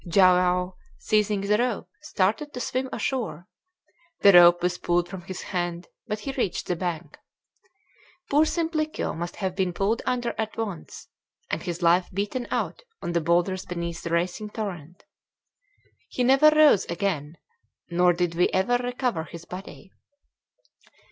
Joao, seizing the rope, started to swim ashore; the rope was pulled from his hand, but he reached the bank. Poor Simplicio must have been pulled under at once and his life beaten out on the boulders beneath the racing torrent. He never rose again, nor did we ever recover his body.